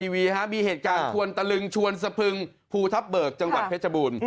มีเหตุการณ์ชวนตะลึงชวนสะพึงภูทับเบิกจังหวัดเพชรบูรณ์